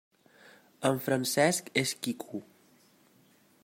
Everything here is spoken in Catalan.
En Francesc és quico.